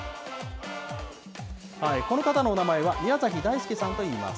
この方のお名前は、宮崎大輔さんといいます。